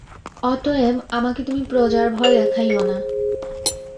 অতএব আমাকে তুমি প্রজার ভয় দেখাইও না।